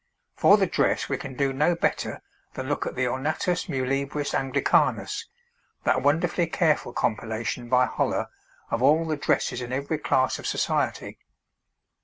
For the dress we can do no better than look at the 'Ornatus Muliebris Anglicanus,' that wonderfully careful compilation by Hollar of all the dresses in every class of society.